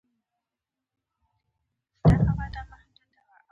د بوټانو او کمیس د تولید وخت برابر دی.